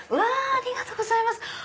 ありがとうございます。